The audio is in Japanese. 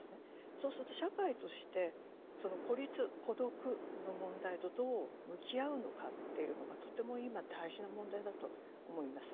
そうすると社会としてその孤立・孤独の問題とどう向き合うのかっていうのがとても今大事な問題だと思います。